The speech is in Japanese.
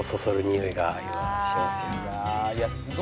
「いやすごい。